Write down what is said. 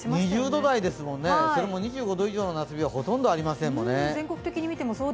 ２０度台ですもんね、２５度以上の夏日はほとんどありませんもんね。